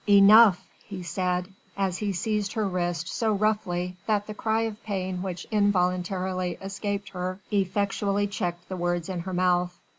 "Enough!" he said, as he seized her wrist so roughly that the cry of pain which involuntarily escaped her effectually checked the words in her mouth.